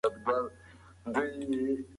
دلارام یو ډېر لوی او مشهور بازار لري.